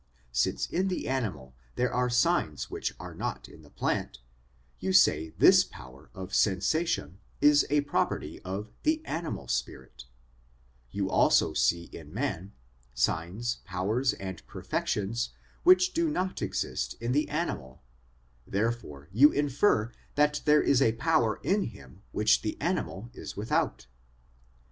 Since in the animal there are signs which are not in the plant, you say this power of sensation is a property of the animal spirit ; you also see in man signs, powers, and perfections which do not exist in the animal ; therefore you infer that there is a power in him which the animal is without.'